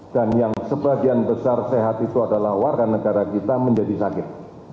dan yang sebagian besar sehat itu adalah warga negara kita menjadi sakit